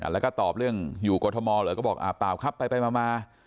แล้วก็ตอบเรื่องอยู่กรทมเหรอก็บอกเปล่าครับไปมา